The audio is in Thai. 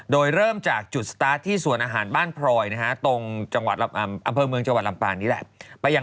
โดยเริ่มจากจุดสตาร์ทที่สวนอาหารบ้านพลอยนะฮะตรงจังหวัดอำเภอเมืองจังหวัดลำปางนี่แหละ